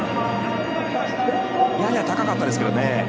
やや高かったですけどね。